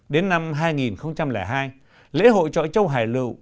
đến năm hai nghìn hai lễ hội trọi châu hải lự